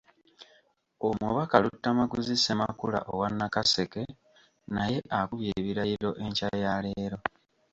Omubaka Luttamaguzi Ssemakula owa Nakaseke naye akubye ebirayiro enkya ya leero.